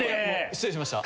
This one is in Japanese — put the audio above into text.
失礼しました。